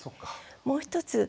もう一つ